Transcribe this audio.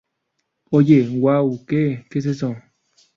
¡ Oye! ¡ uau! ¿ qué? ¿ qué es eso?